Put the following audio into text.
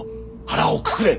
腹をくくれ！